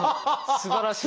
すばらしい！